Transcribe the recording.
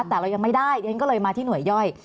แต่เรายังไม่ได้เรียนก็เลยมาที่หน่วยย่อย